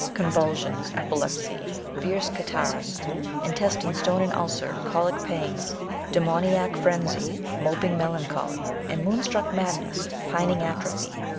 OonvulBions, epilepsies, fierce catarrliB ; Intestine stone and ulcer, cholic pangs, Dsemoniac frenzy, moping melancholy. And moon struck madness, pining atrophy.